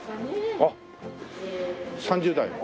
あっ３０代。